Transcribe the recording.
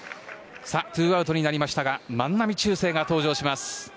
ツーアウトになりましたが万波中正が登場します。